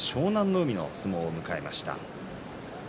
海の相撲を迎えました。